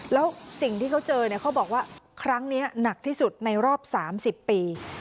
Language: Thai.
แล้วสิ่งที่เขาเจอเนี่ยเขาบอกว่าครั้งนี้หนักที่สุดในรอบ๓๐ปี